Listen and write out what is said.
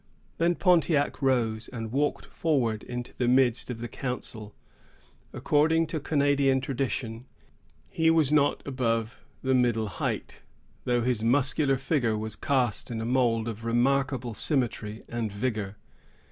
Then Pontiac rose, and walked forward into the midst of the council. According to Canadian tradition, he was not above the middle height, though his muscular figure was cast in a mould of remarkable symmetry and vigor.